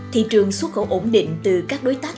thị trường xuất khẩu ổn định từ các đối tác